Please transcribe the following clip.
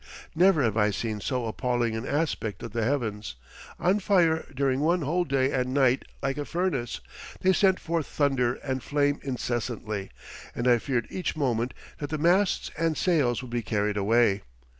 Never have I seen so appalling an aspect of the heavens: on fire during one whole day and night like a furnace, they sent forth thunder and flame incessantly, and I feared each moment that the masts and sails would be carried away.